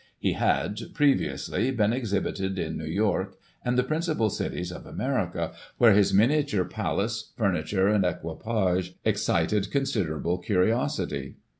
He had, previously, been exhibited in New York and the principal cities of America, where his miniature palace, furniture and equipage excited considerable curiosity.